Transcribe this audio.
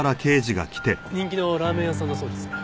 人気のラーメン屋さんだそうです。